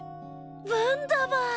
ヴンダバー。